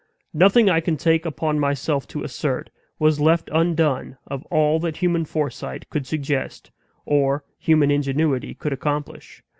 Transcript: Nothing, I can take upon myself to assert, was left undone of all that human foresight could suggest, or human ingenuity could accomplish.